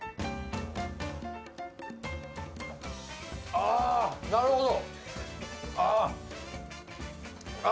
ああ、なるほど！